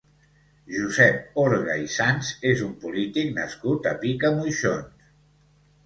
Josep Orga i Sans és un polític nascut a Picamoixons.